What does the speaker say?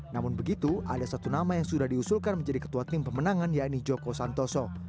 namun begitu ada satu nama yang sudah diusulkan menjadi ketua tim pemenangan yaitu joko santoso